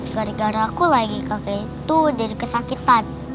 kali apa jalan jalan gara gara aku lagi kaget tuh jadi kesakitan